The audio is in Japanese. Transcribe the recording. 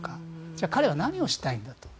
じゃあ彼は何をしたいんだと。